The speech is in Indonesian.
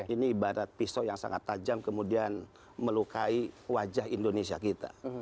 ini ibarat pisau yang sangat tajam kemudian melukai wajah indonesia kita